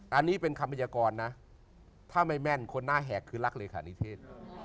อันนี้เป็นคำพยากรนะถ้าไม่แม่นคนหน้าแหกคือรักเลขานิเทศ